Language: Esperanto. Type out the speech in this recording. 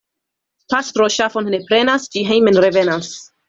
Pastro ŝafon ne prenas, ĝi hejmen revenas.